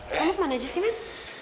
kamu kemana aja sih men